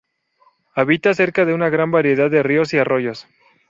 Habita cerca de una gran variedad de ríos y arroyos.